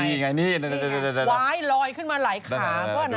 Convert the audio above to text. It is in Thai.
มีไงนี่ไงว้ายลอยขึ้นมาไหลขาว่านั่นนะดู